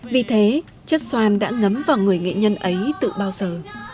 vì thế chất xoan đã ngấm vào người nghệ nhân ấy từ bao giờ